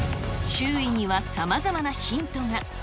周囲にはさまざまなヒントが。